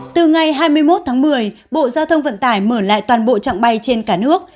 từ ngày hai mươi một tháng một mươi bộ giao thông vận tải mở lại toàn bộ trạng bay trên cả nước